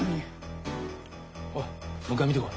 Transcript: おいもう一回見てこい。